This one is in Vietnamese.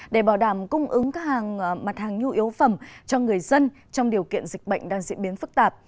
để bảo đảm cung ứng các mặt hàng nhu yếu phẩm cho người dân trong điều kiện dịch bệnh đang diễn biến phức tạp